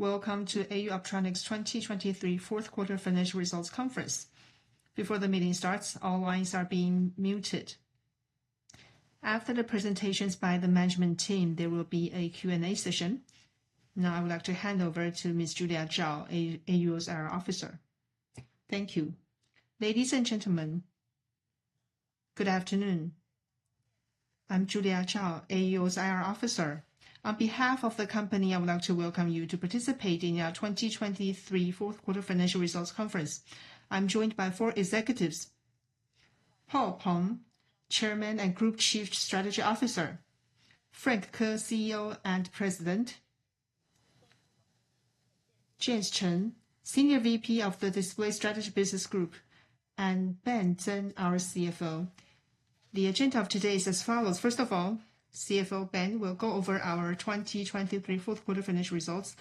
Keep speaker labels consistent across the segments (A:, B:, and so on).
A: Welcome to AU Optronics 2023 Fourth Quarter Financial Results Conference. Before the meeting starts, all lines are being muted. After the presentations by the management team, there will be a Q&A session. Now, I would like to hand over to Ms. Julia Chao, AUO's IR Officer. Thank you. Ladies, and gentlemen, good afternoon. I'm Julia Chao, AUO's IR Officer. On behalf of the company, I would like to welcome you to participate in our 2023 fourth quarter financial results conference. I'm joined by four executives: Paul Peng, Chairman and Group Chief Strategy Officer, Frank Ko, CEO and President, James Chen, Senior VP of the Display Strategy Business Group, and Ben Tseng, our CFO. The agenda of today is as follows. First of all, CFO Ben will go over our 2023 fourth quarter financial results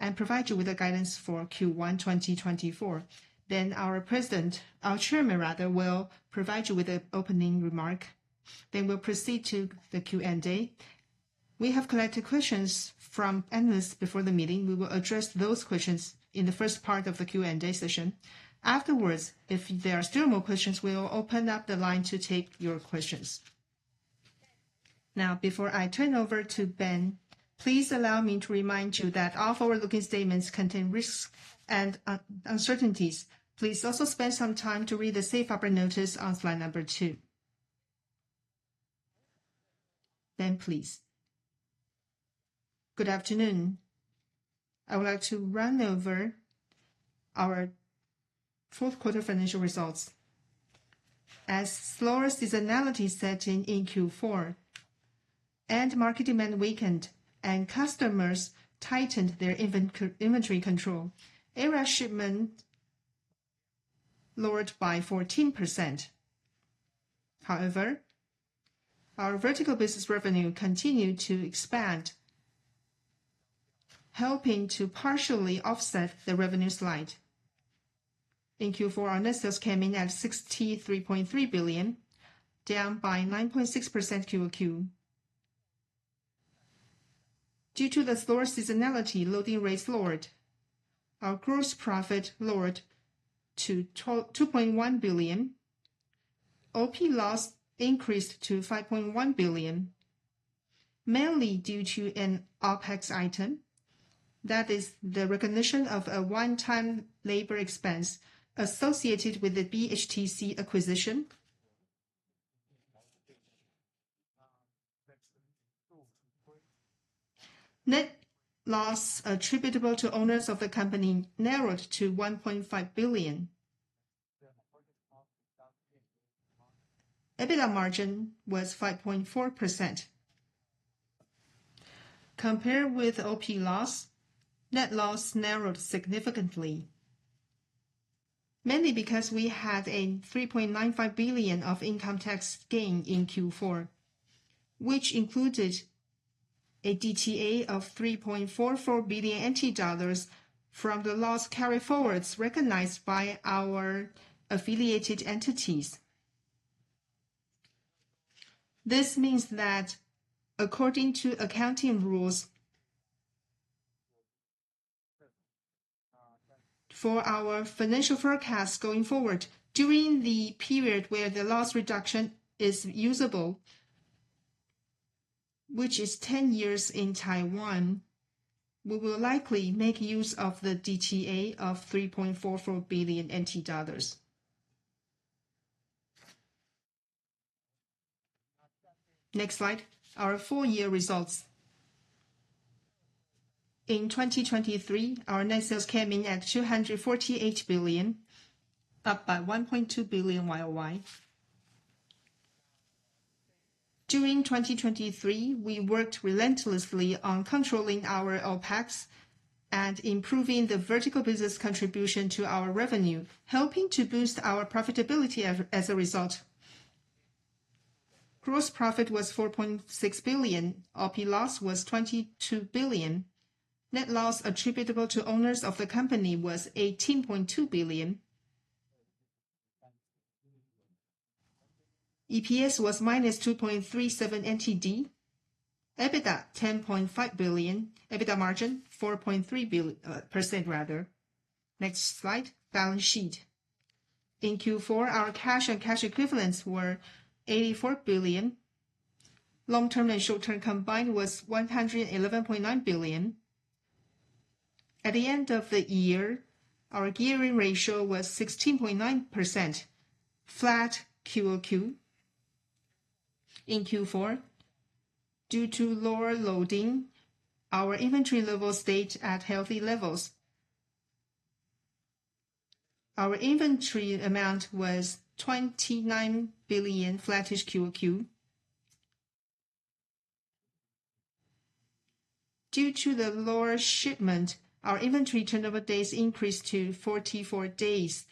A: and provide you with the guidance for Q1 2024. Then our President, our Chairman rather, will provide you with an opening remark. Then we'll proceed to the Q&A. We have collected questions from analysts before the meeting. We will address those questions in the first part of the Q&A session. Afterwards, if there are still more questions, we will open up the line to take your questions. Now, before I turn over to Ben, please allow me to remind you that all forward-looking statements contain risks and uncertainties. Please also spend some time to read the safe harbor notice on slide number two. Ben, please. Good afternoon. I would like to run over our fourth quarter financial results. As slower seasonality set in in Q4 and market demand weakened and customers tightened their inventory control, area shipment lowered by 14%. However, our vertical business revenue continued to expand, helping to partially offset the revenue slide. In Q4, our net sales came in at 63.3 billion, down by 9.6% QoQ. Due to the slower seasonality, loading rates lowered. Our gross profit lowered to 2.1 billion. OP loss increased to 5.1 billion, mainly due to an OpEx item. That is the recognition of a one-time labor expense associated with the BHTC acquisition. Net loss attributable to owners of the company narrowed to 1.5 billion. EBITDA margin was 5.4%. Compared with OP loss, net loss narrowed significantly, mainly because we had a 3.95 billion of income tax gain in Q4, which included a DTA of 3.44 billion NT dollars from the loss carryforwards recognized by our affiliated entities. This means that according to accounting rules, for our financial forecast going forward, during the period where the loss reduction is usable, which is 10 years in Taiwan, we will likely make use of the DTA of 3.44 billion NT dollars. Next slide, our full year results. In 2023, our net sales came in at 248 billion, up by 1.2 billion YoY. During 2023, we worked relentlessly on controlling our OpEx and improving the vertical business contribution to our revenue, helping to boost our profitability as a result. Gross profit was 4.6 billion. OP loss was 22 billion. Net loss attributable to owners of the company was 18.2 billion. EPS was -2.37 TWD. EBITDA, 10.5 billion. EBITDA margin, 4.3% rather. Next slide, balance sheet. In Q4, our cash and cash equivalents were 84 billion. Long-term and short-term combined was 111.9 billion. At the end of the year, our gearing ratio was 16.9%, flat QoQ. In Q4, due to lower loading, our inventory levels stayed at healthy levels. Our inventory amount was 29 billion, flattish QoQ. Due to the lower shipment, our inventory turnover days increased to 44 days.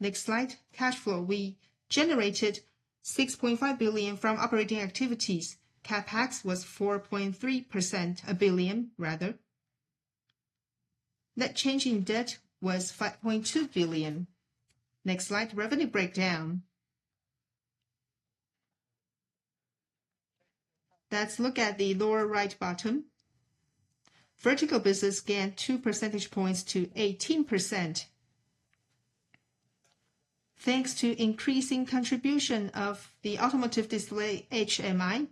A: Next slide, cash flow. We generated 6.5 billion from operating activities. CapEx was 4.3%, a billion rather. Net change in debt was 5.2 billion. Next slide, revenue breakdown.... Let's look at the lower right bottom. Vertical business gained two percentage points to 18%, thanks to increasing contribution of the automotive display HMI,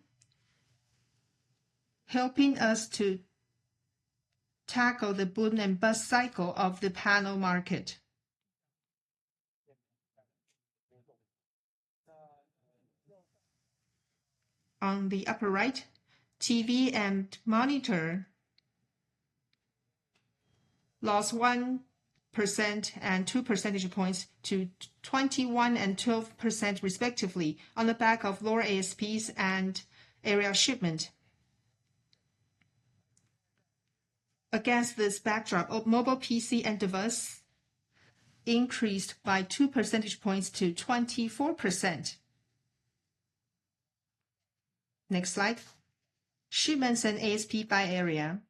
A: helping us to tackle the boom and bust cycle of the panel market. On the upper right, TV and monitor lost 1% and two percentage points to 21% and 12% respectively, on the back of lower ASPs and area shipment. Against this backdrop of mobile PC and device increased by two percentage points to 24%. Next slide. Shipments and ASP by area.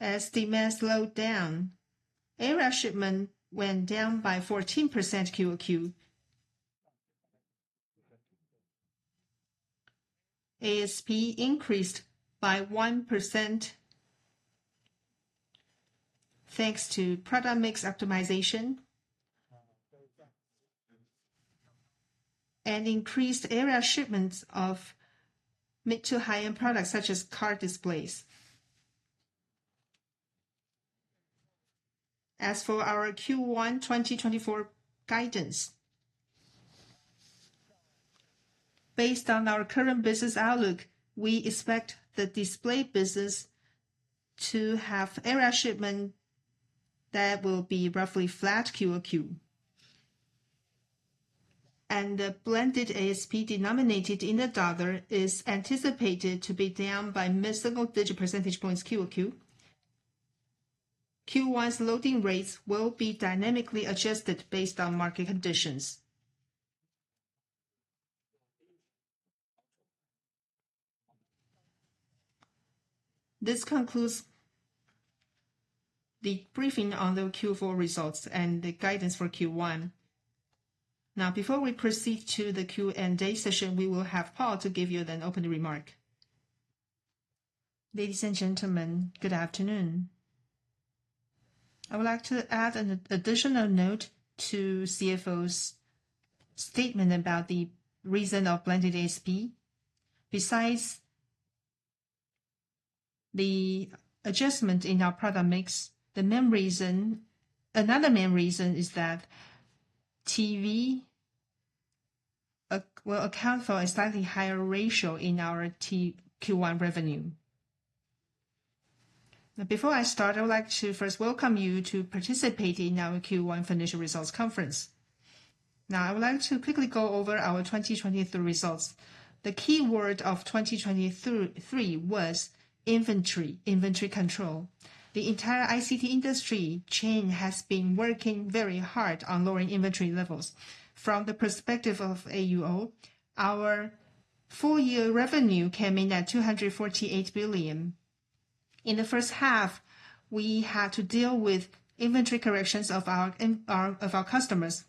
A: As demand slowed down, area shipment went down by 14% QoQ. ASP increased by 1%, thanks to product mix optimization and increased area shipments of mid to high-end products, such as car displays. As for our Q1 2024 guidance, based on our current business outlook, we expect the display business to have area shipment that will be roughly flat QoQ. The blended ASP denominated in the U.S. dollar is anticipated to be down by multi-digit percentage points QoQ. Q1's loading rates will be dynamically adjusted based on market conditions. This concludes the briefing on the Q4 results and the guidance for Q1. Now, before we proceed to the Q&A session, we will have Paul to give you an opening remark. Ladies and gentlemen, good afternoon. I would like to add an additional note to CFO's statement about the reason of blended ASP. Besides the adjustment in our product mix, the main reason, another main reason is that TV will account for a slightly higher ratio in our Q1 revenue. Now, before I start, I would like to first welcome you to participate in our Q1 financial results conference. Now, I would like to quickly go over our 2023 results. The key word of 2023 was inventory, inventory control. The entire ICT industry chain has been working very hard on lowering inventory levels. From the perspective of AUO, our full year revenue came in at 248 billion. In the first half, we had to deal with inventory corrections of our of our customers,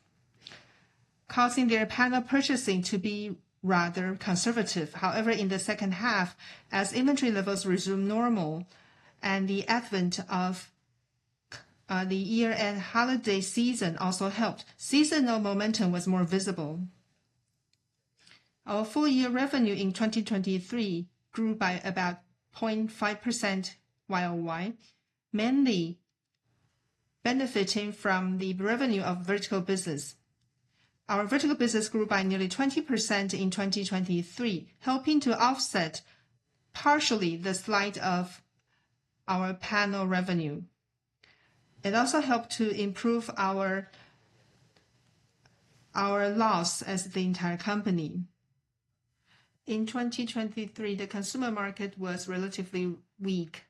A: causing their panel purchasing to be rather conservative. However, in the second half, as inventory levels resumed normal and the advent of the year-end holiday season also helped, seasonal momentum was more visible. Our full year revenue in 2023 grew by about 0.5% YoY, mainly benefiting from the revenue of vertical business. Our vertical business grew by nearly 20% in 2023, helping to offset partially the slide of our panel revenue. It also helped to improve our our loss as the entire company. In 2023, the consumer market was relatively weak.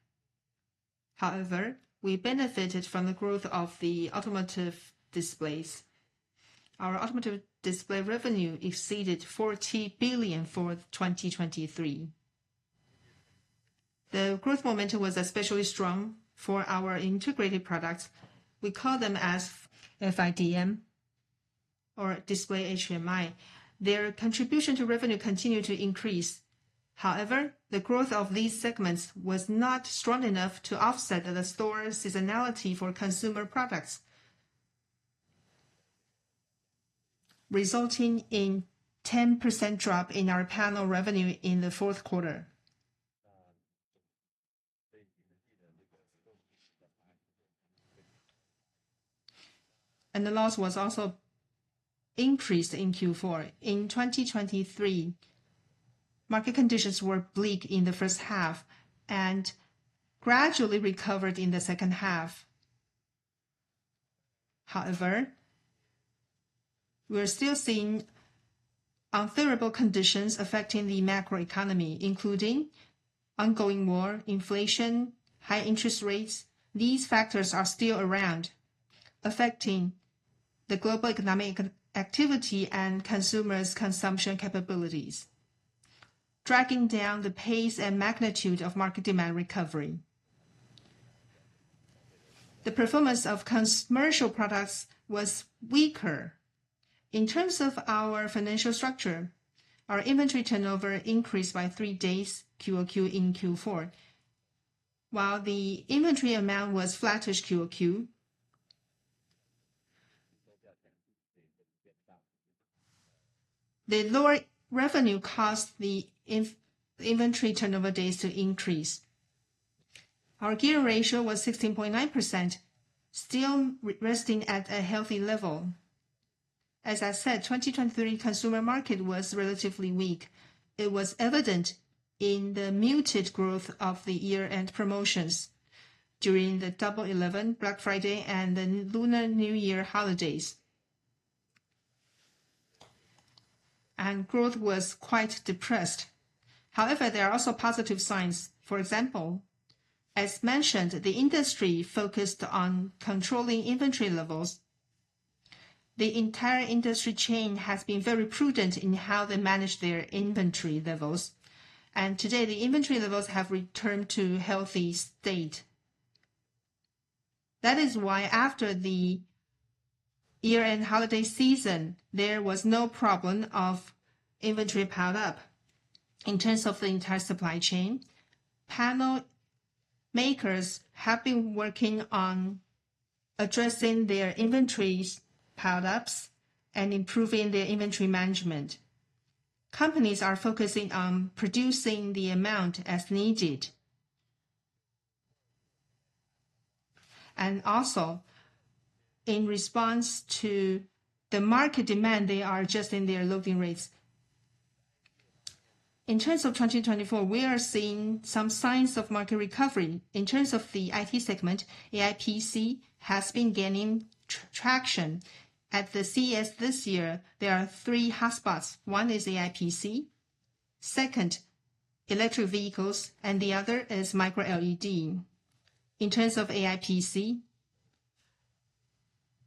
A: However, we benefited from the growth of the automotive displays. Our automotive display revenue exceeded 40 billion for 2023. The growth momentum was especially strong for our integrated products. We call them as FIDM or Display HMI. Their contribution to revenue continued to increase. However, the growth of these segments was not strong enough to offset the short seasonality for consumer products, resulting in 10% drop in our panel revenue in the fourth quarter. The loss was also increased in Q4. In 2023, market conditions were bleak in the first half and gradually recovered in the second half. However, we're still seeing unfavorable conditions affecting the macroeconomy, including ongoing war, inflation, high interest rates. These factors are still around, affecting the global economic activity and consumers' consumption capabilities, dragging down the pace and magnitude of market demand recovery. The performance of commercial products was weaker. In terms of our financial structure, our inventory turnover increased by three days QoQ in Q4, while the inventory amount was flattish QoQ. The lower revenue caused the in-inventory turnover days to increase. Our gearing ratio was 16.9%, still resting at a healthy level. As I said, 2023 consumer market was relatively weak. It was evident in the muted growth of the year-end promotions during the Double 11, Black Friday, and the Lunar New Year holidays. Growth was quite depressed. However, there are also positive signs. For example, as mentioned, the industry focused on controlling inventory levels. The entire industry chain has been very prudent in how they manage their inventory levels, and today the inventory levels have returned to healthy state. That is why, after the year-end holiday season, there was no problem of inventory piled up. In terms of the entire supply chain, panel makers have been working on addressing their inventory pileups and improving their inventory management. Companies are focusing on producing the amount as needed. And also, in response to the market demand, they are adjusting their loading rates. In terms of 2024, we are seeing some signs of market recovery. In terms of the IT segment, AI PC has been gaining traction. At the CES this year, there are three hotspots. One is AI PC, second, electric vehicles, and the other is Micro LED. In terms of AI PC,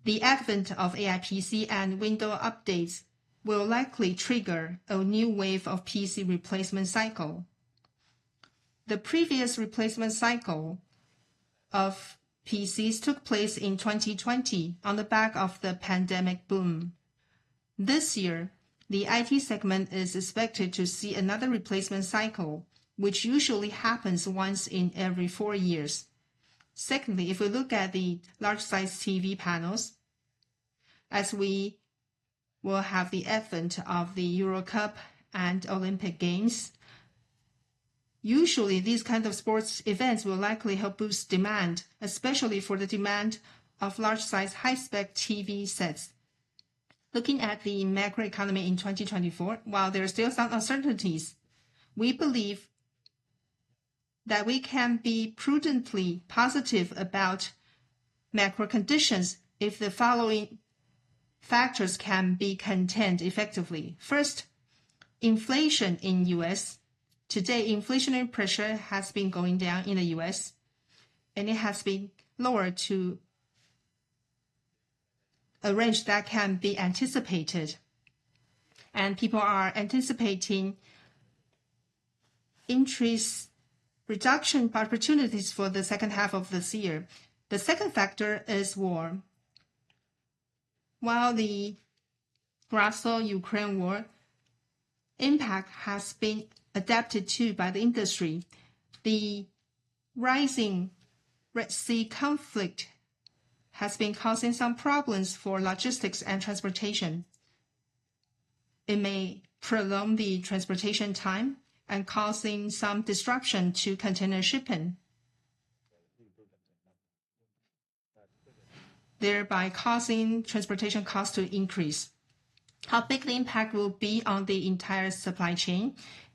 A: the advent of AI PC and Windows updates will likely trigger a new wave of PC replacement cycle. The previous replacement cycle of PCs took place in 2020, on the back of the pandemic boom. This year, the IT segment is expected to see another replacement cycle, which usually happens once in every four years. Secondly, if we look at the large size TV panels, as we will have the advent of the Euro Cup and Olympic Games, usually these kind of sports events will likely help boost demand, especially for the demand of large-sized, high-spec TV sets. Looking at the macroeconomy in 2024, while there are still some uncertainties, we believe that we can be prudently positive about macro conditions if the following factors can be contained effectively. First, inflation in U.S. Today, inflationary pressure has been going down in the U.S., and it has been lowered to a range that can be anticipated, and people are anticipating interest reduction opportunities for the second half of this year. The second factor is war. While the Russia-Ukraine war impact has been adapted to by the industry, the rising Red Sea conflict has been causing some problems for logistics and transportation. It may prolong the transportation time and causing some disruption to container shipping, thereby causing transportation costs to increase. How big the impact will be on the entire supply chain?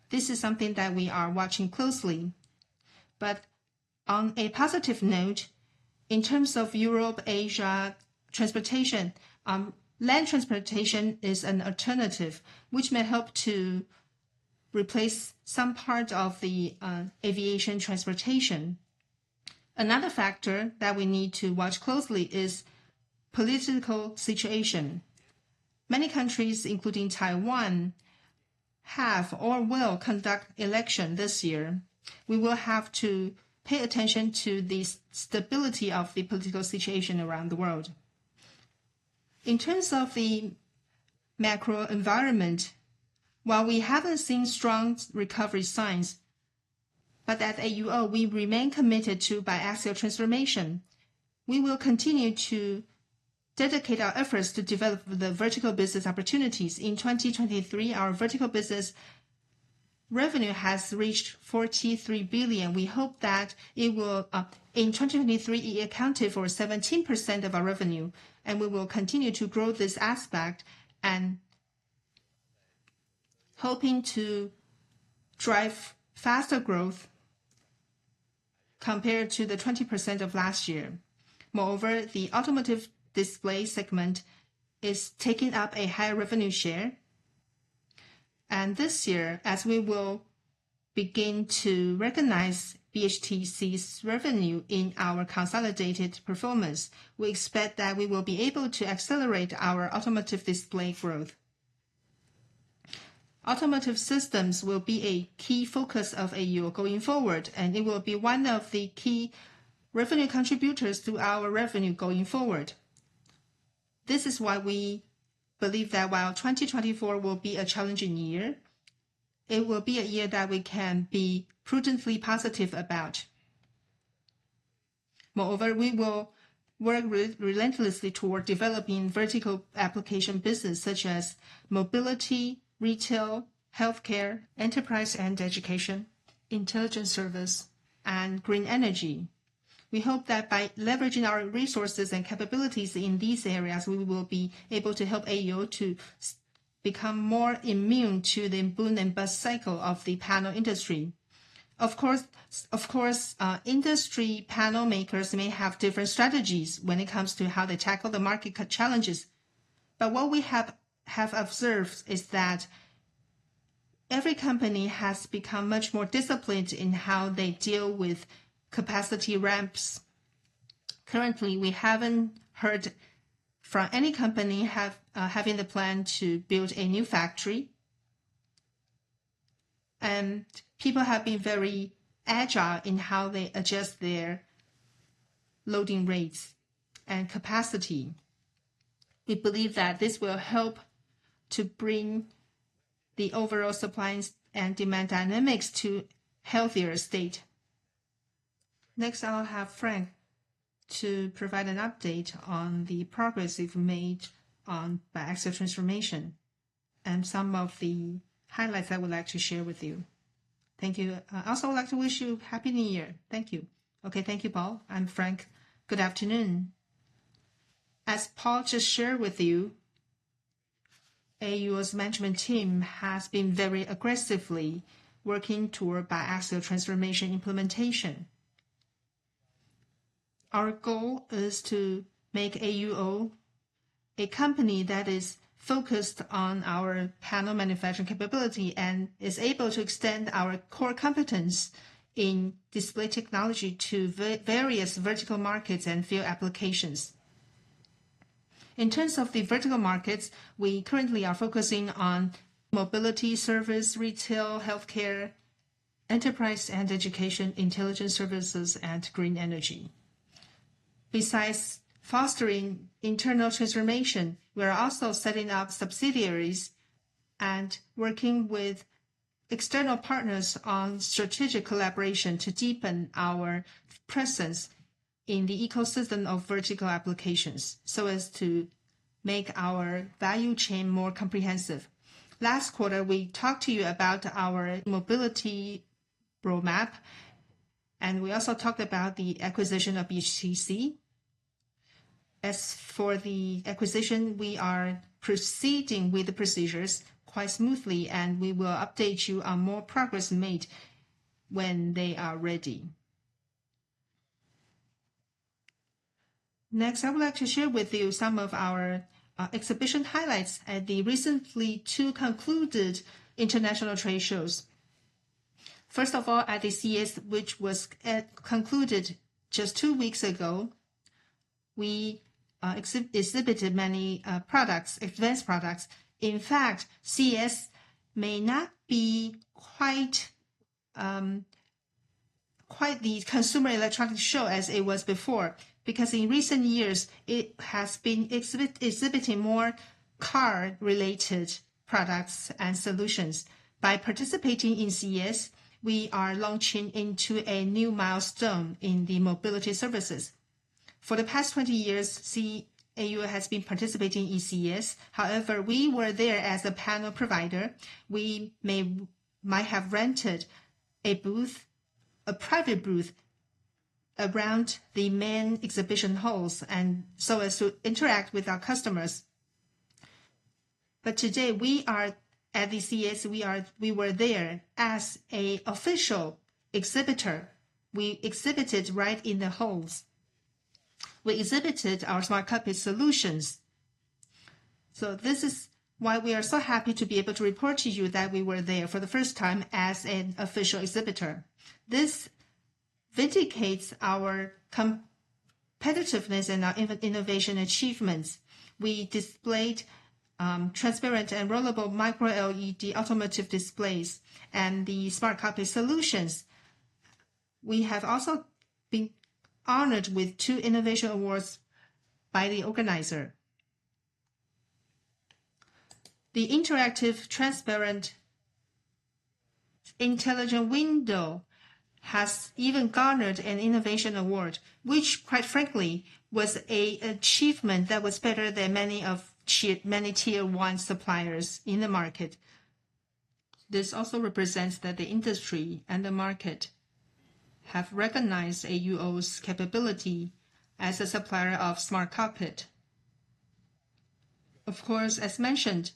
A: This is something that we are watching closely. But on a positive note, in terms of Europe, Asia, transportation, land transportation is an alternative which may help to replace some part of the, aviation transportation. Another factor that we need to watch closely is political situation. Many countries, including Taiwan, have or will conduct election this year. We will have to pay attention to the stability of the political situation around the world. In terms of the macro environment, while we haven't seen strong recovery signs, but at AUO, we remain committed to biaxial transformation. We will continue to dedicate our efforts to develop the vertical business opportunities. In 2023, our vertical business revenue has reached 43 billion. We hope that it will. In 2023, it accounted for 17% of our revenue, and we will continue to grow this aspect and hoping to drive faster growth compared to the 20% of last year. Moreover, the automotive display segment is taking up a higher revenue share, and this year, as we will begin to recognize BHTC's revenue in our consolidated performance, we expect that we will be able to accelerate our automotive display growth. Automotive systems will be a key focus of AUO going forward, and it will be one of the key revenue contributors to our revenue going forward. This is why we believe that while 2024 will be a challenging year, it will be a year that we can be prudently positive about. Moreover, we will work relentlessly toward developing vertical application business such as mobility, retail, healthcare, enterprise and education, intelligence service, and green energy. We hope that by leveraging our resources and capabilities in these areas, we will be able to help AUO to become more immune to the boom and bust cycle of the panel industry. Of course, of course, industry panel makers may have different strategies when it comes to how they tackle the market challenges, but what we have observed is that every company has become much more disciplined in how they deal with capacity ramps. Currently, we haven't heard from any company having the plan to build a new factory. People have been very agile in how they adjust their loading rates and capacity. We believe that this will help to bring the overall supply and demand dynamics to healthier state. Next, I'll have Frank to provide an update on the progress we've made on digital transformation and some of the highlights I would like to share with you. Thank you. I also would like to wish you happy New Year. Thank you. Okay, thank you, Paul. I'm Frank. Good afternoon. As Paul just shared with you, AUO's management team has been very aggressively working toward biaxial transformation implementation. Our goal is to make AUO a company that is focused on our panel manufacturing capability and is able to extend our core competence in display technology to various vertical markets and field applications. In terms of the vertical markets, we currently are focusing on mobility service, retail, healthcare, enterprise and education, intelligence services, and green energy. Besides fostering internal transformation, we are also setting up subsidiaries and working with external partners on strategic collaboration to deepen our presence in the ecosystem of vertical applications, so as to make our value chain more comprehensive. Last quarter, we talked to you about our mobility roadmap, and we also talked about the acquisition of BHTC. As for the acquisition, we are proceeding with the procedures quite smoothly, and we will update you on more progress made when they are ready. Next, I would like to share with you some of our exhibition highlights at the recently two concluded international trade shows. First of all, at the CES, which was concluded just two weeks ago, we exhibited many products, advanced products. In fact, CES may not be quite the consumer electronics show as it was before, because in recent years, it has been exhibiting more car-related products and solutions. By participating in CES, we are launching into a new milestone in the mobility services. For the past 20 years, AUO has been participating in CES, however, we were there as a panel provider. We may, might have rented a booth, a private booth around the main exhibition halls, and so as to interact with our customers. But today, we are at the CES; we were there as an official exhibitor. We exhibited right in the halls. We exhibited our smart cockpit solutions. So this is why we are so happy to be able to report to you that we were there for the first time as an official exhibitor. This vindicates our competitiveness and our innovation achievements. We displayed transparent and rollable Micro LED automotive displays and the smart cockpit solutions. We have also been honored with two innovation awards by the organizer. The interactive, transparent, intelligent window has even garnered an innovation award, which, quite frankly, was an achievement that was better than many Tier 1 suppliers in the market. This also represents that the industry and the market have recognized AUO's capability as a supplier of smart cockpit. Of course, as mentioned,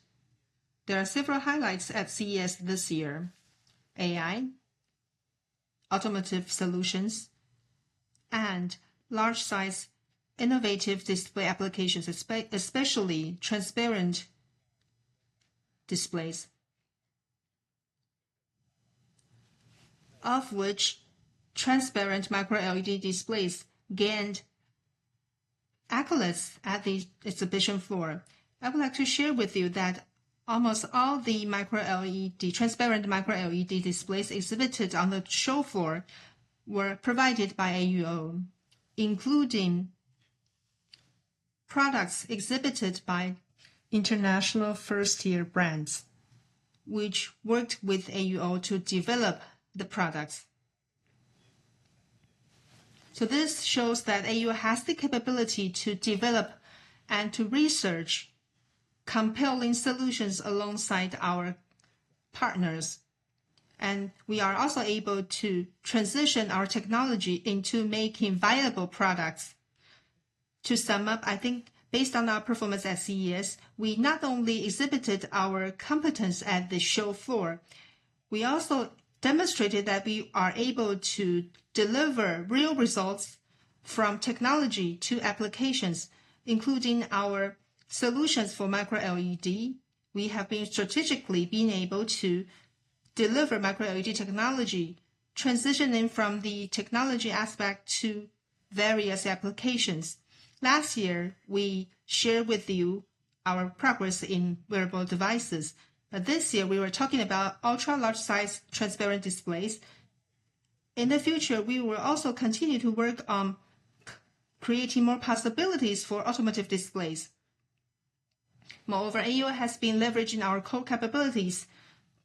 A: there are several highlights at CES this year: AI, automotive solutions, and large-size innovative display applications, especially transparent displays, of which transparent Micro LED displays gained accolades at the exhibition floor. I would like to share with you that almost all the Micro LED, transparent Micro LED displays exhibited on the show floor were provided by AUO, including products exhibited by international first-tier brands, which worked with AUO to develop the products. So this shows that AUO has the capability to develop and to research compelling solutions alongside our partners, and we are also able to transition our technology into making viable products. To sum up, I think based on our performance at CES, we not only exhibited our competence at the show floor, we also demonstrated that we are able to deliver real results from technology to applications, including our solutions for Micro LED. We have been strategically able to deliver Micro LED technology, transitioning from the technology aspect to various applications. Last year, we shared with you our progress in wearable devices, but this year we were talking about ultra large size transparent displays. In the future, we will also continue to work on co-creating more possibilities for automotive displays. Moreover, AUO has been leveraging our core capabilities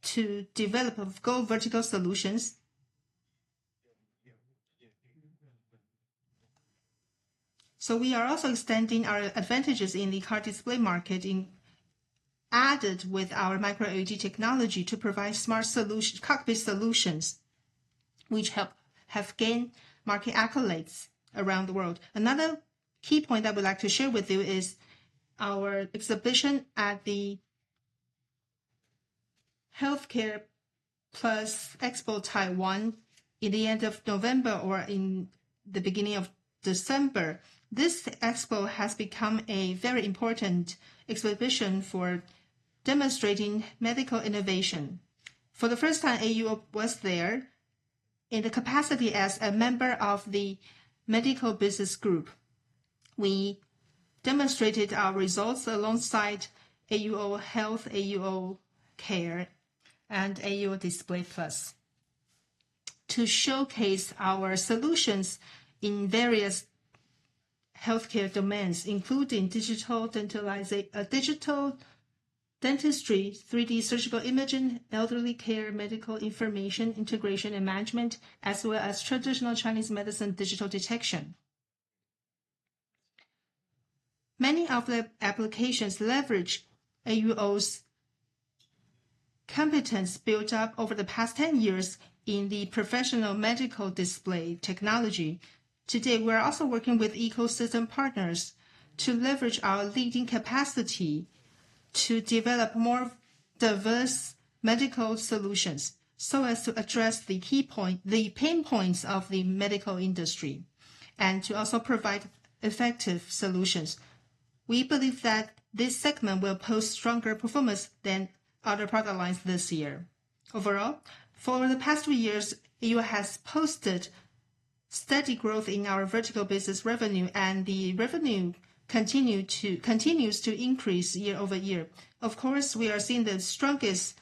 A: to develop Go Vertical solutions. So we are also extending our advantages in the car display market integrated with our Micro LED technology to provide smart cockpit solutions, which have gained market accolades around the world. Another key point I would like to share with you is our exhibition at the Healthcare+ Expo, Taiwan, in the end of November or in the beginning of December. This expo has become a very important exhibition for demonstrating medical innovation. For the first time, AUO was there in the capacity as a member of the medical business group. We demonstrated our results alongside AUO Health, AUO Care, and AUO Display Plus, to showcase our solutions in various healthcare domains, including digital dentistry, 3D surgical imaging, elderly care, medical information, integration and management, as well as traditional Chinese medicine digital detection. Many of the applications leverage AUO's competence built up over the past 10 years in the professional medical display technology. Today, we are also working with ecosystem partners to leverage our leading capacity to develop more diverse medical solutions, so as to address the key point, the pain points of the medical industry, and to also provide effective solutions. We believe that this segment will post stronger performance than other product lines this year. Overall, for the past three years, AUO has posted steady growth in our vertical business revenue, and the revenue continues to increase year-over-year. Of course, we are seeing the strongest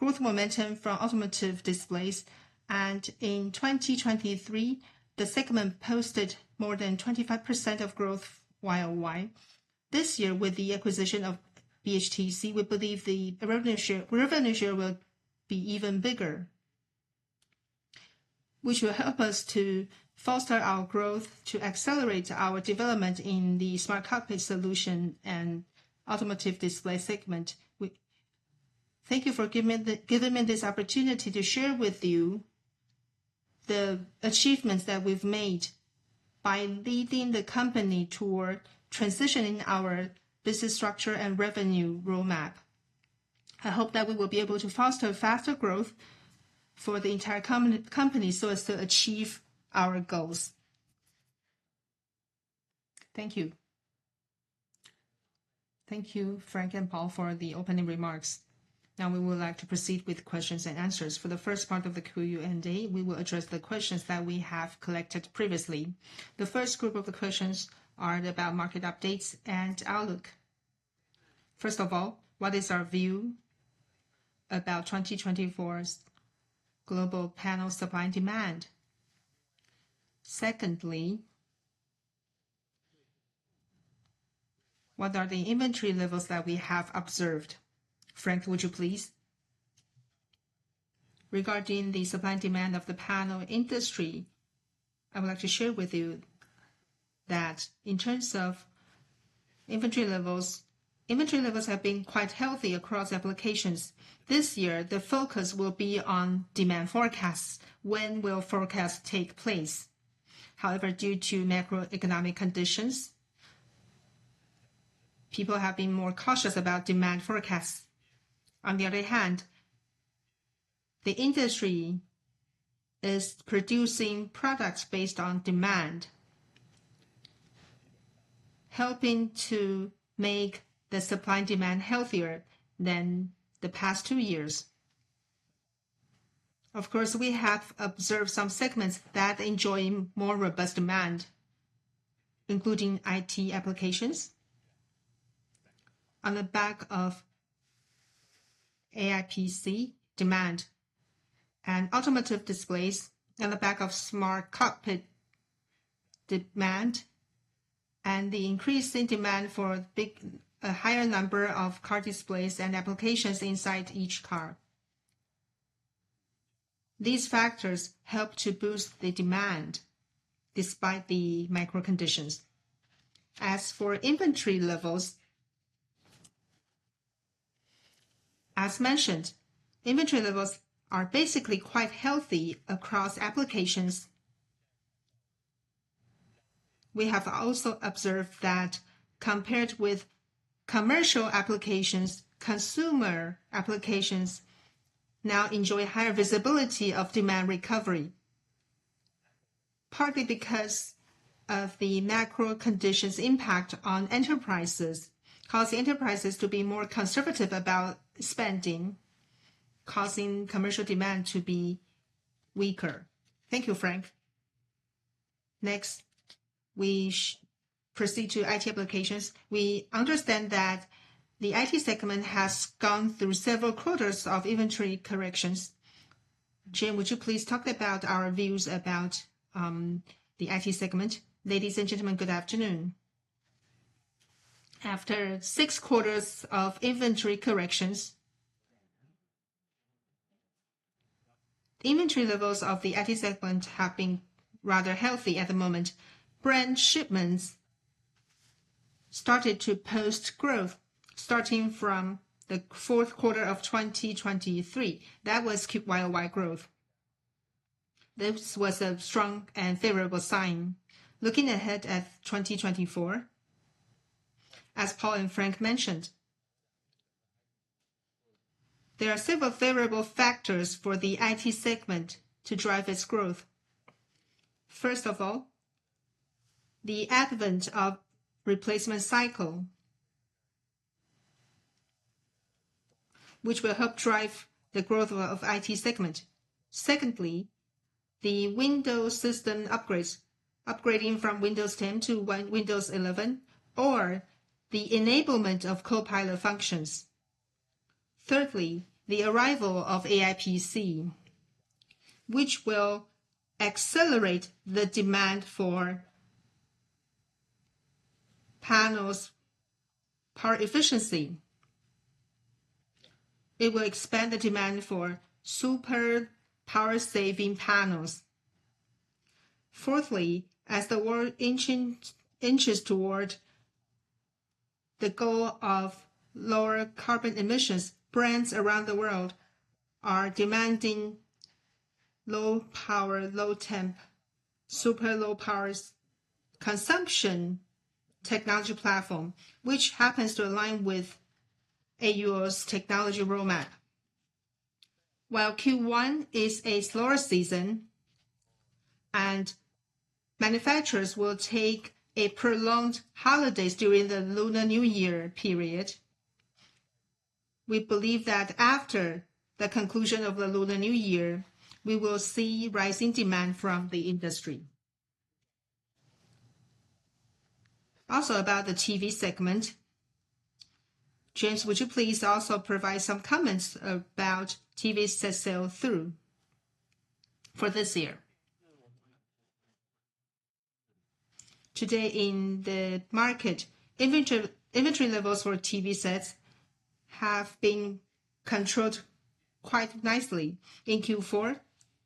A: growth momentum from automotive displays, and in 2023, the segment posted more than 25% of growth YoY. This year, with the acquisition of BHTC, we believe the revenue share, revenue share will be even bigger, which will help us to foster our growth, to accelerate our development in the smart cockpit solution and automotive display segment. We... Thank you for giving me this opportunity to share with you the achievements that we've made by leading the company toward transitioning our business structure and revenue roadmap. I hope that we will be able to foster faster growth for the entire company, so as to achieve our goals. Thank you. Thank you, Frank and Paul, for the opening remarks. Now we would like to proceed with questions and answers. For the first part of the Q&A, we will address the questions that we have collected previously. The first group of the questions are about market updates and outlook. First of all, what is our view about 2024's global panel supply and demand? Secondly, what are the inventory levels that we have observed? Frank, would you please? Regarding the supply and demand of the panel industry, I would like to share with you that in terms of inventory levels, inventory levels have been quite healthy across applications. This year, the focus will be on demand forecasts. When will forecasts take place? However, due to macroeconomic conditions, people have been more cautious about demand forecasts. On the other hand, the industry is producing products based on demand, helping to make the supply and demand healthier than the past two years. Of course, we have observed some segments that enjoy more robust demand, including IT applications. On the back of AI PC demand and automotive displays, on the back of smart cockpit demand, and the increasing demand for big, a higher number of car displays and applications inside each car. These factors help to boost the demand despite the macro conditions. As for inventory levels, as mentioned, inventory levels are basically quite healthy across applications. We have also observed that compared with commercial applications, consumer applications now enjoy higher visibility of demand recovery, partly because of the macro conditions impact on enterprises, causing enterprises to be more conservative about spending, causing commercial demand to be weaker. Thank you, Frank. Next, we proceed to IT applications. We understand that the IT segment has gone through several quarters of inventory corrections. Jim, would you please talk about our views about the IT segment? Ladies and gentlemen, good afternoon. After six quarters of inventory corrections, the inventory levels of the IT segment have been rather healthy at the moment. Brand shipments started to post growth starting from the fourth quarter of 2023. That was QoQ growth. This was a strong and favorable sign. Looking ahead at 2024, as Paul and Frank mentioned, there are several favorable factors for the IT segment to drive its growth. First of all, the advent of replacement cycle, which will help drive the growth of IT segment. Secondly, the Windows system upgrades, upgrading from Windows 10 to Windows 11, or the enablement of Copilot functions. Thirdly, the arrival of AI PC, which will accelerate the demand for panels' power efficiency. It will expand the demand for super power-saving panels. Fourthly, as the world inches toward the goal of lower carbon emissions, brands around the world are demanding low power, low temp, super low power consumption technology platform, which happens to align with AUO's technology roadmap. While Q1 is a slower season, and manufacturers will take a prolonged holidays during the Lunar New Year period, we believe that after the conclusion of the Lunar New Year, we will see rising demand from the industry. Also, about the TV segment, James, would you please also provide some comments about TV set sell-through for this year? Today in the market, inventory levels for TV sets have been controlled quite nicely. In Q4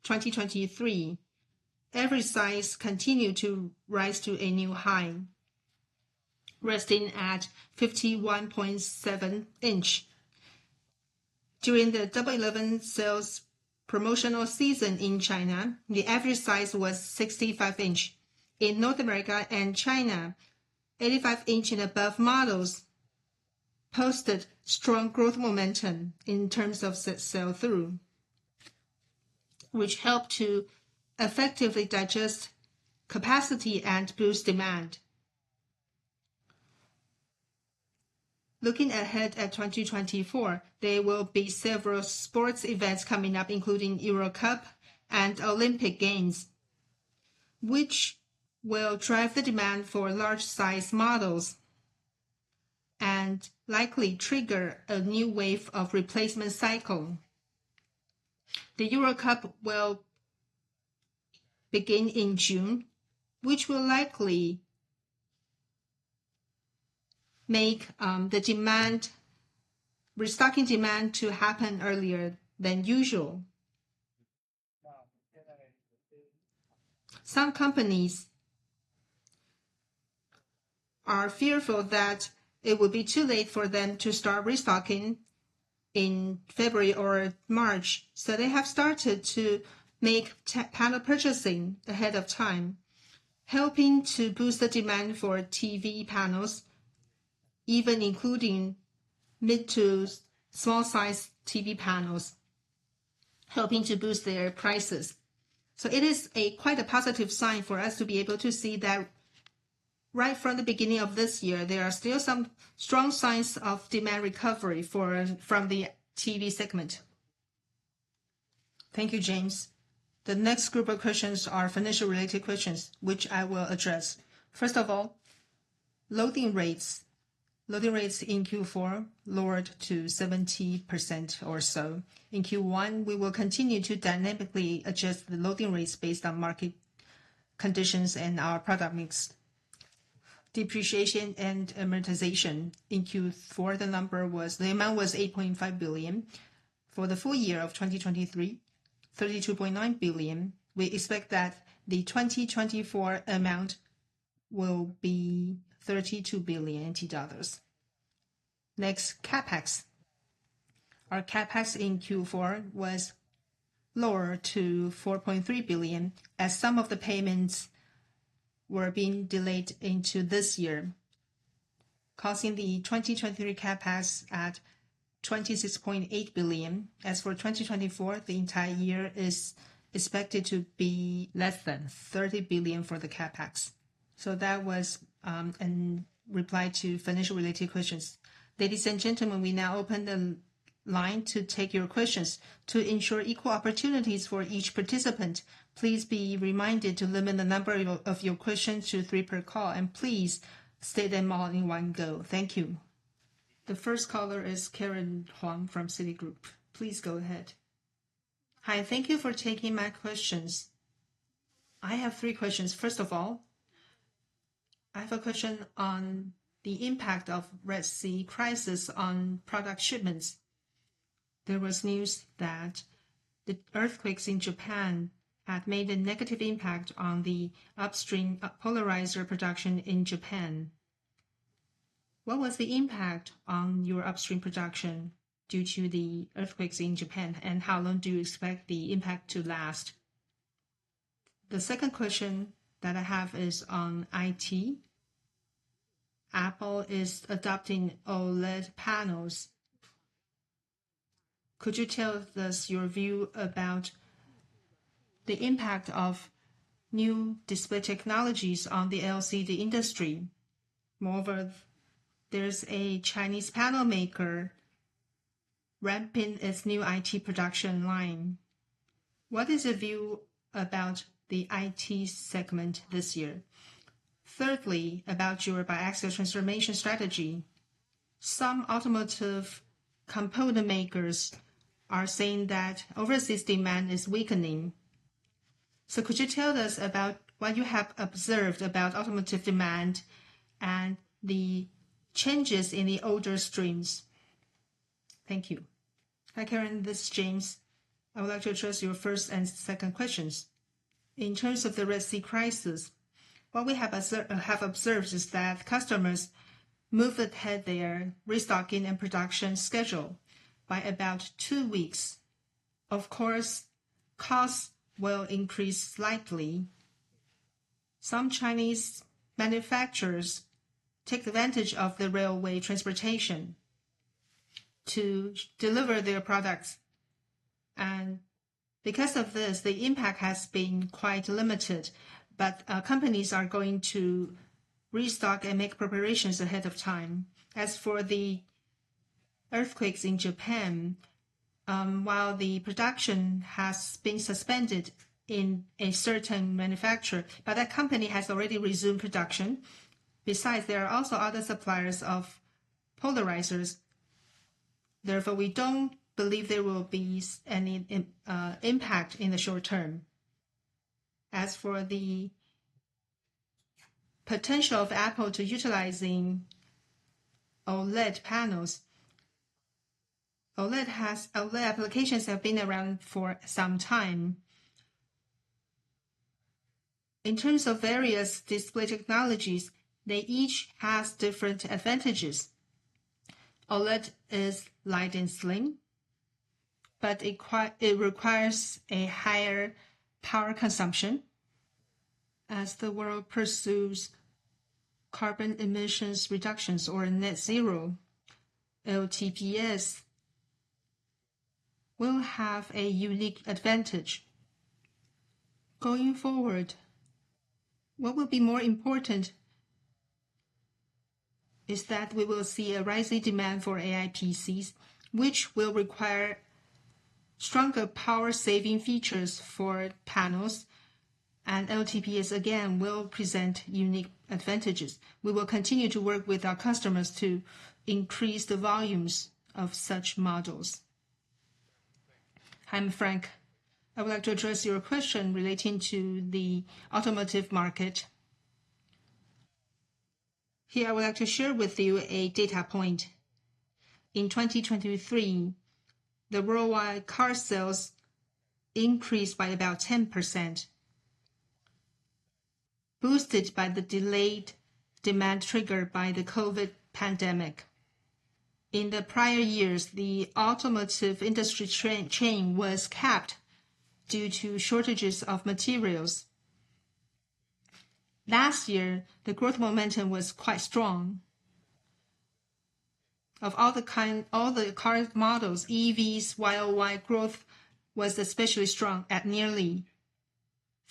A: 2023, every size continued to rise to a new high, resting at 51.7-inch. During the Double 11 sales promotional season in China, the average size was 65-inch. In North America and China, 85-inch and above models posted strong growth momentum in terms of set sell-through, which helped to effectively digest capacity and boost demand. Looking ahead at 2024, there will be several sports events coming up, including Euro Cup and Olympic Games, which will drive the demand for large-sized models and likely trigger a new wave of replacement cycle. The Euro Cup will begin in June, which will likely make the demand, restocking demand to happen earlier than usual. Some companies are fearful that it will be too late for them to start restocking in February or March, so they have started to make panel purchasing ahead of time, helping to boost the demand for TV panels, even including mid- to small-sized TV panels, helping to boost their prices. So it is quite a positive sign for us to be able to see that right from the beginning of this year, there are still some strong signs of demand recovery from the TV segment. Thank you, James. The next group of questions are financial-related questions, which I will address. First of all, loading rates. Loading rates in Q4 lowered to 70% or so. In Q1, we will continue to dynamically adjust the loading rates based on market conditions and our product mix. Depreciation and amortization. In Q4, the amount was 8.5 billion. For the full year of 2023, 32.9 billion. We expect that the 2024 amount will be 32 billion NT dollars. Next, CapEx. Our CapEx in Q4 was lower to 4.3 billion, as some of the payments were being delayed into this year, causing the 2023 CapEx at 26.8 billion. As for 2024, the entire year is expected to be less than 30 billion for the CapEx. So that was a reply to financial-related questions. Ladies, and gentlemen, we now open the line to take your questions. To ensure equal opportunities for each participant, please be reminded to limit the number of your questions to three per call, and please state them all in one go. Thank you. The first caller is Karen Huang from Citigroup. Please go ahead. Hi, thank you for taking my questions. I have three questions. First of all, I have a question on the impact of Red Sea crisis on product shipments. There was news that the earthquakes in Japan had made a negative impact on the upstream, polarizer production in Japan. What was the impact on your upstream production due to the earthquakes in Japan, and how long do you expect the impact to last? The second question that I have is on IT. Apple is adopting OLED panels. Could you tell us your view about the impact of new display technologies on the LCD industry? Moreover, there's a Chinese panel maker ramping its new IT production line. What is your view about the IT segment this year? Thirdly, about your biaxial transformation strategy. Some automotive component makers are saying that overseas demand is weakening. So could you tell us about what you have observed about automotive demand and the changes in the order streams? Thank you. Hi, Karen, this is James. I would like to address your first and second questions. In terms of the Red Sea crisis, what we have observed is that customers moved ahead their restocking and production schedule by about two weeks. Of course, costs will increase slightly. Some Chinese manufacturers take advantage of the railway transportation to deliver their products, and because of this, the impact has been quite limited. But, companies are going to restock and make preparations ahead of time. As for the earthquakes in Japan, while the production has been suspended in a certain manufacturer, but that company has already resumed production. Besides, there are also other suppliers of polarizers. Therefore, we don't believe there will be any impact in the short term. As for the potential of Apple to utilizing OLED panels, OLED applications have been around for some time. In terms of various display technologies, they each has different advantages. OLED is light and slim, but it requires a higher power consumption. As the world pursues carbon emissions reductions or net zero, LTPS will have a unique advantage. Going forward, what will be more important is that we will see a rising demand for AI PCs, which will require stronger power-saving features for panels, and LTPS, again, will present unique advantages. We will continue to work with our customers to increase the volumes of such models. I'm Frank. I would like to address your question relating to the automotive market. Here, I would like to share with you a data point. In 2023, the worldwide car sales increased by about 10%, boosted by the delayed demand triggered by the COVID pandemic. In the prior years, the automotive industry chain was capped due to shortages of materials. Last year, the growth momentum was quite strong. Of all the kind, all the car models, EVs YoY growth was especially strong at nearly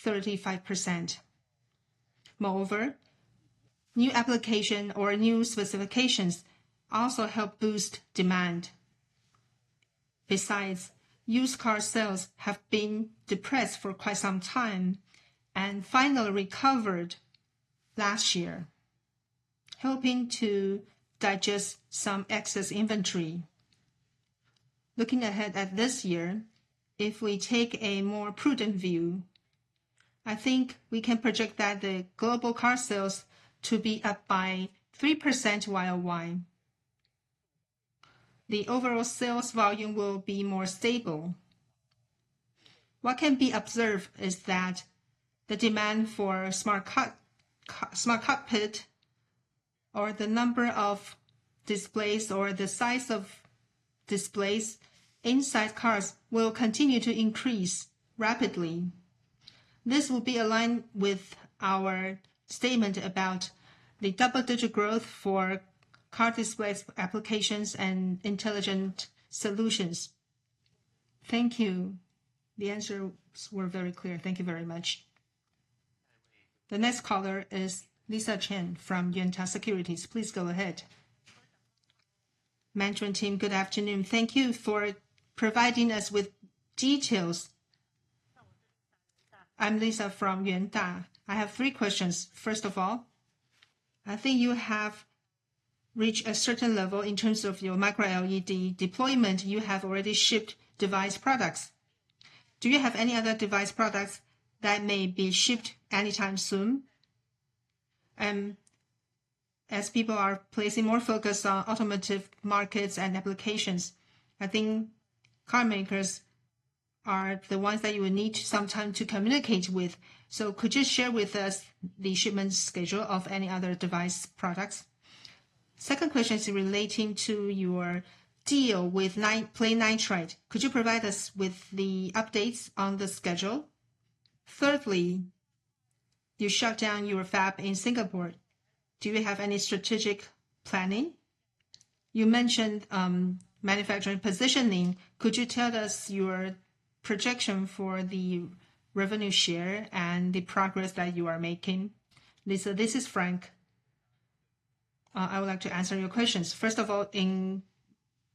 A: 35%. Moreover, new application or new specifications also help boost demand. Besides, used car sales have been depressed for quite some time and finally recovered last year, helping to digest some excess inventory. Looking ahead at this year, if we take a more prudent view, I think we can project that the global car sales to be up by 3% YoY. The overall sales volume will be more stable. What can be observed is that the demand for smart car, smart cockpit, or the number of displays, or the size of displays inside cars will continue to increase rapidly. This will be aligned with our statement about the double-digit growth for car display applications and intelligent solutions. Thank you. The answers were very clear. Thank you very much. The next caller is Lisa Chen from Yuanta Securities. Please go ahead. Management team, good afternoon. Thank you for providing us with details. I'm Lisa from Yuanta. I have three questions. First of all, I think you have reached a certain level in terms of your Micro LED deployment. You have already shipped device products. Do you have any other device products that may be shipped anytime soon? As people are placing more focus on automotive markets and applications, I think car makers are the ones that you will need some time to communicate with. So could you share with us the shipment schedule of any other device products? Second question is relating to your deal with PlayNitride. Could you provide us with the updates on the schedule? Thirdly, you shut down your fab in Singapore. Do you have any strategic planning? You mentioned manufacturing positioning. Could you tell us your projection for the revenue share and the progress that you are making? Lisa, this is Frank. I would like to answer your questions. First of all, in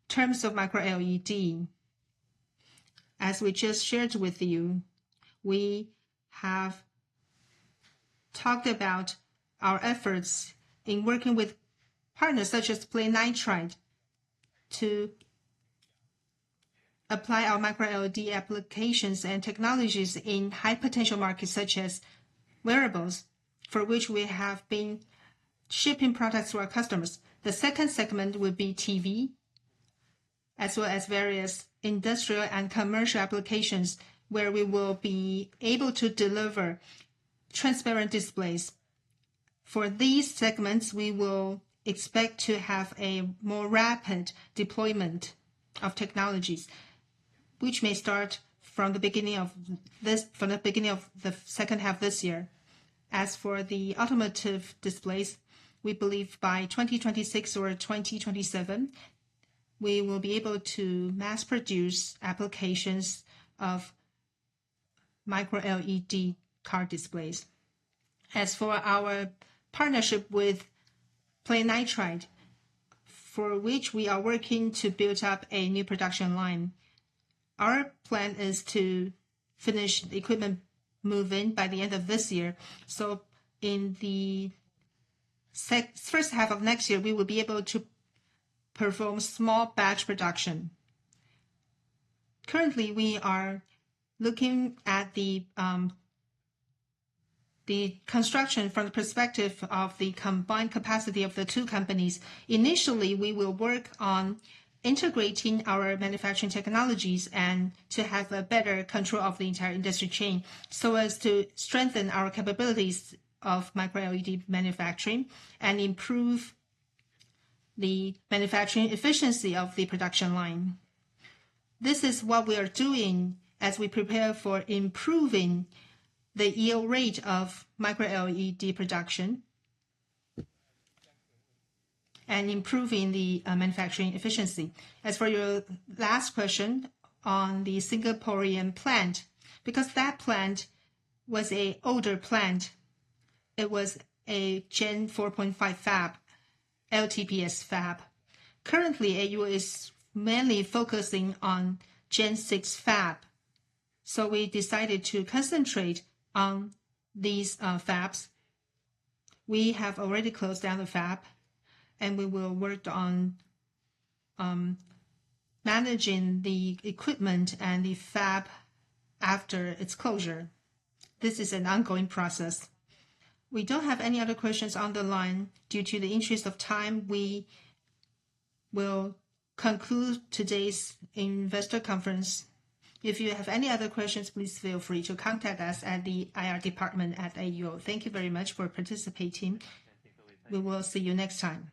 A: terms of Micro LED, as we just shared with you, we have talked about our efforts in working with partners such as PlayNitride, to apply our Micro LED applications and technologies in high potential markets such as wearables, for which we have been shipping products to our customers. The second segment will be TV, as well as various industrial and commercial applications, where we will be able to deliver transparent displays. For these segments, we will expect to have a more rapid deployment of technologies, which may start from the beginning of the second half of this year. As for the automotive displays, we believe by 2026 or 2027, we will be able to mass produce applications of Micro LED car displays. As for our partnership with PlayNitride, for which we are working to build up a new production line, our plan is to finish the equipment move-in by the end of this year. So in the first half of next year, we will be able to perform small batch production. Currently, we are looking at the construction from the perspective of the combined capacity of the two companies. Initially, we will work on integrating our manufacturing technologies and to have a better control of the entire industry chain, so as to strengthen our capabilities of Micro LED manufacturing and improve the manufacturing efficiency of the production line. This is what we are doing as we prepare for improving the yield rate of Micro LED production, and improving the manufacturing efficiency. As for your last question on the Singaporean plant, because that plant was an older plant, it was a Gen 4.5 fab, LTPS fab. Currently, AUO is mainly focusing on Gen 6 fab, so we decided to concentrate on these fabs. We have already closed down the fab, and we will work on managing the equipment and the fab after its closure. This is an ongoing process. We don't have any other questions on the line. Due to the interest of time, we will conclude today's investor conference. If you have any other questions, please feel free to contact us at the IR department at AUO. Thank you very much for participating. Thank you. We will see you next time.